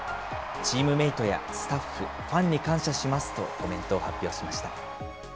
チームメートやスタッフ、ファンに感謝しますとコメントを発表しました。